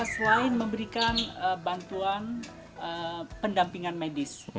selain memberikan bantuan pendampingan medis